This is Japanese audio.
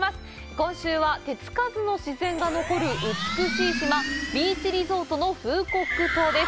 今週は手つかずの自然が残る美しい島、ビーチリゾートのフーコック島です。